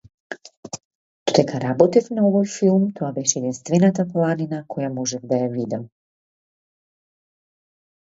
Додека работев на овој филм тоа беше единствената планина која можев да ја видам.